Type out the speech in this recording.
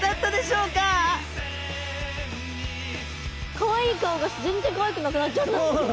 かわいい顔が全然かわいくなくなっちゃった。